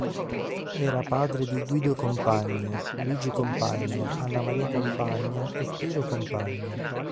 Era padre di Guido Compagna, Luigi Compagna, Annamaria Compagna e Piero Compagna.